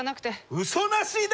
うそなしで！？